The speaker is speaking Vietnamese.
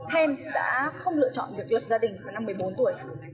thêm đã không lựa chọn việc lập gia đình vào năm một mươi bốn tuổi